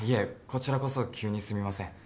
こちらこそ急にすみません。